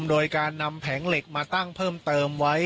โดยการนำแผงเหล็กมาตั้งเพิ่มเติมไว้